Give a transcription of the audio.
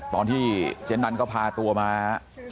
ตอนที่เจ๊นันก็พาตัวมา